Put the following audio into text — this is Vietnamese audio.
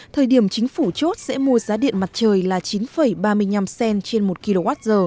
thời điểm chính phủ chốt sẽ mua giá điện mặt trời là chín ba mươi năm cent trên một kwh